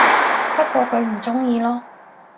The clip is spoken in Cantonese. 不過佢唔鍾意囉